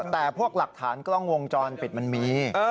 แต่พวกหลักฐานกล้องวงจรปิดมันมี